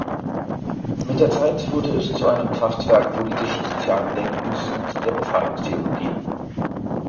Mit der Zeit wurde es zu einem Kraftwerk politisch-sozialen Denkens und der Befreiungstheologie.